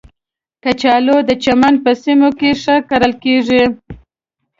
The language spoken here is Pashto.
کچالو د چمن په سیمو کې ښه کرل کېږي